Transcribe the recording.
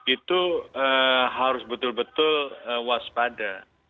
itu harus betul betul waspada